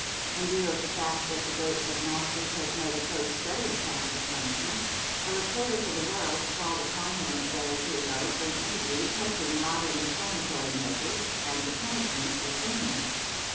In view of the fact that the great Agnostic has made a close study of capital punishment, a reporter for the World called upon him a day or two ago for an interview touching modern reformatory measures and the punishment of criminals.